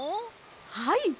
はい。